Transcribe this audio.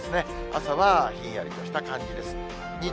朝はひんやりとした感じですね。